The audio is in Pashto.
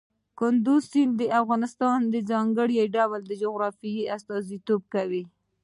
کندز سیند د افغانستان د ځانګړي ډول جغرافیه استازیتوب کوي.